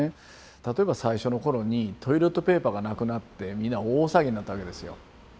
例えば最初の頃にトイレットペーパーがなくなって皆大騒ぎになったわけですよ。